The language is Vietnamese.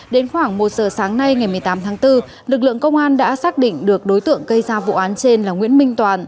đến khoảng một giờ sáng nay ngày một mươi tám tháng bốn lực lượng công an đã xác định được đối tượng gây ra vụ án trên là nguyễn minh toàn